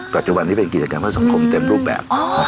ปัจจุบันนี้เป็นกิจกรรมเพื่อสังคมเต็มรูปแบบ